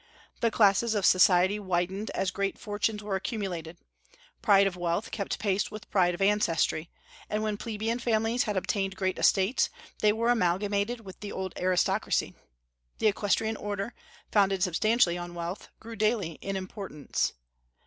The classes of society widened as great fortunes were accumulated; pride of wealth kept pace with pride of ancestry; and when plebeian families had obtained great estates, they were amalgamated with the old aristocracy. The equestrian order, founded substantially on wealth, grew daily in importance.